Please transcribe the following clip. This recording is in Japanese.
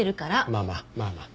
まあまあまあまあ。